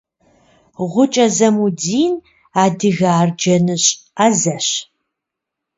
Гъукӏэ Замудин адыгэ арджэныщӏ ӏэзэщ.